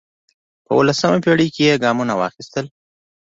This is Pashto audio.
په اوولسمه پېړۍ کې یې ګامونه واخیستل